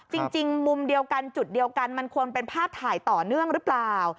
จริงมุมเดียวกันจุดเดียวกันมันควรเป็นภาพถ่ายต่อเนื่องหรือเปล่า